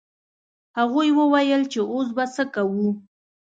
هغوی وویل چې اوس به څه کوو.